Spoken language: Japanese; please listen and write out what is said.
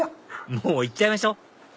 もういっちゃいましょう